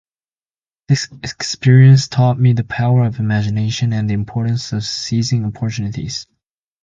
This experience taught me the power of imagination and the importance of seizing opportunities.